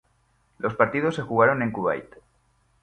Los partidos se jugaron en Kuwait.